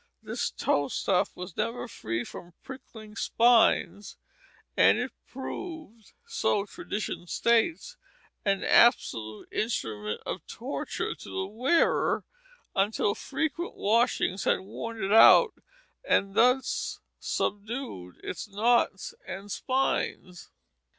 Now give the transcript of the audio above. This tow stuff was never free from prickling spines, and it proved, so tradition states, an absolute instrument of torture to the wearer, until frequent washings had worn it out and thus subdued its knots and spines.